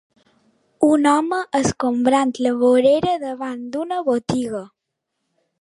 Un home escombrant la vorera davant d'una botiga.